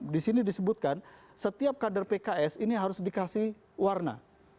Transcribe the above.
di sini disebutkan setiap kader pks ini harus dikasih warna